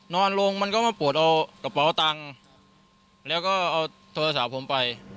นอนลงมันก็มาปวดเอากระเป๋าตังค์แล้วก็เอาโทรศัพท์ผมไป